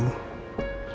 dia akan menunggu